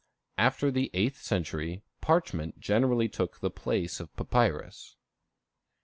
After the eighth century, parchment generally took the place of papyrus.